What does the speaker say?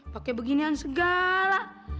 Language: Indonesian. pakai beginian segala